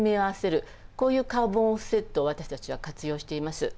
こういうカーボンオフセットを私たちは活用しています。